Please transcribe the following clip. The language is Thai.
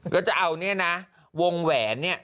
ก็จะเอาเนี่ยนะวงแหวนเนี่ย